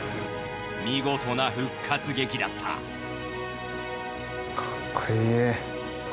見事な復活劇だったかっこいい。